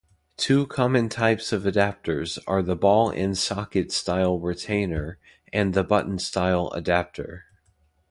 Two common types of adapters are the ball-and-socket style retainer and the button-style adapter.